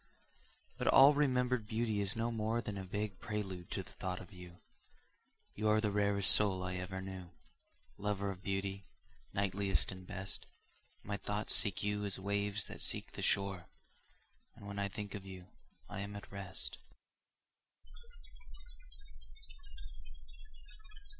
But all remembered beauty is no more Than a vague prelude to the thought of you You are the rarest soul I ever knew, Lover of beauty, knightliest and best; My thoughts seek you as waves that seek the shore, And when I think of you, I am at rest.